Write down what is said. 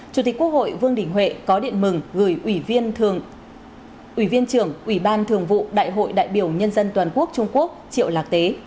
chủ tịch quốc hội vương đình huệ có điện mừng gửi ủy viên trưởng ủy ban thường vụ đại hội đại biểu nhân dân toàn quốc trung quốc triệu lạc tế